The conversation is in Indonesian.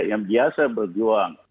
yang biasa berjuang